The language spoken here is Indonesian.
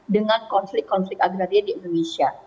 dengan konflik konflik agraria di indonesia